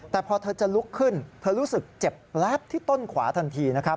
แต่พอเธอจะลุกขึ้นเธอรู้สึกเจ็บแป๊บที่ต้นขวาทันทีนะครับ